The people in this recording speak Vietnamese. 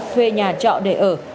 thuê nhà trọ để ở